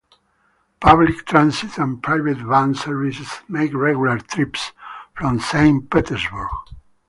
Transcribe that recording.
Public transit and private van services make regular trips from Saint Petersburg.